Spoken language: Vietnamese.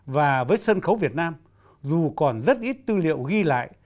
và với sân khấu việt nam dù còn rất ít tư liệu ghi lại